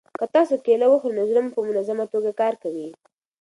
که تاسي کیله وخورئ نو زړه مو په منظمه توګه کار کوي.